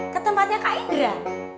ke tempatnya kak indra